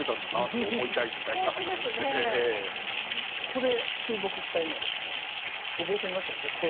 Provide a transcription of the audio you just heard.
ここで注目したいのはですねお坊さんいましたでしょう。